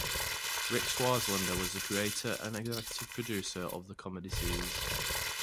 Ric Swartzlander was the creator and executive producer of the comedy series.